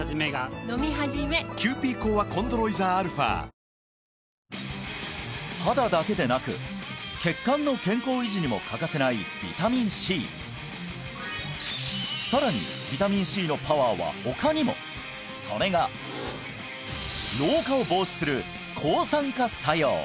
すごい肌だけでなく血管の健康維持にも欠かせないビタミンＣさらにビタミンＣのパワーは他にもそれが老化を防止する